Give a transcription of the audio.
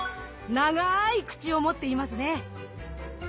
長い口を持っていますね。